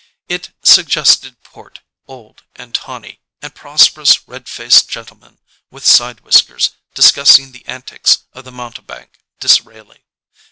It suggested port, old and tawny, and prosperous, red faced gentle men with side whiskers discussing the antics of the mountebank Disraeli.